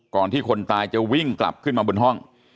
ที่คนตายจะวิ่งกลับขึ้นมาบนห้อง